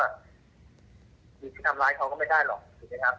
คือที่ทำร้ายเขาก็ไม่ได้หรอกถูกไหมครับ